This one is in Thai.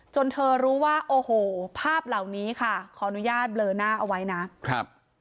จนเธอรู้ว่าโอ้โหภาพเหล่านี้ค่ะขออนุญาตเบลอหน้าเอาไว้นะครับ